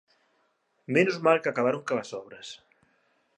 Menos mal que acabaron coas obras.